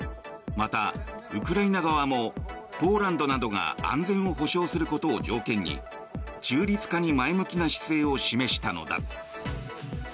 また、ウクライナ側もポーランドなどが安全を保証することを条件に中立化に前向きな姿勢を示したのだ。